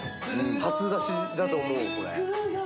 初出しだと思うこれ。